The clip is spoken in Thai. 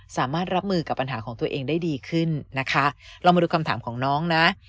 สามารถรับมือกับปัญหาของตัวเองได้ดีขึ้นนะคะเรามาดูคำถามของน้องนะ